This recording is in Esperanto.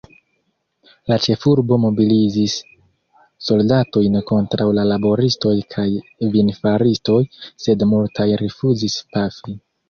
La ĉefurbo mobilizis soldatojn kontraŭ la laboristoj kaj vinfaristoj, sed multaj rifuzis pafi.